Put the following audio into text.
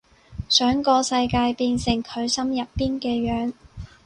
想個世界變成佢心入邊嘅樣